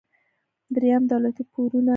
دریم: دولتي پورونه.